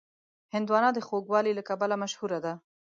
هندوانه د خوږوالي له کبله مشهوره ده.